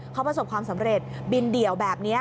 เขาประสบความสำเร็จบินเดี่ยวแบบนี้